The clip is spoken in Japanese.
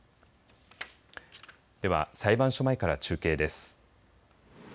では裁判所前から中継です。